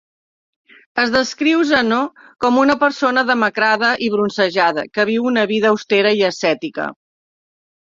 Es descriu Zeno com una persona demacrada i bronzejada, que viu una vida austera i ascètica.